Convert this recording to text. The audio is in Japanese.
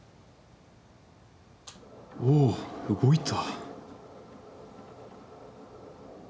おおっ動いた。